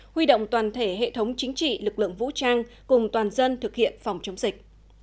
huy động toàn thể hệ thống chính trị lực lượng vũ trang cùng toàn dân thực hiện phòng chống dịch